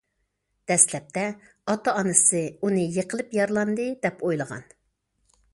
دەسلەپتە ئاتا- ئانىسى ئۇنى يېقىلىپ يارىلاندى، دەپ ئويلىغان.